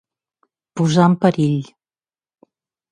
Posar en perill.